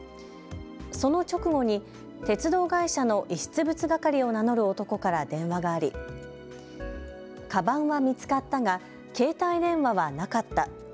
その直後に鉄道会社の遺失物係を名乗る男から電話がありかばんは見つかったが携帯電話はなかった。